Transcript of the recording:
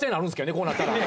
こうなったら。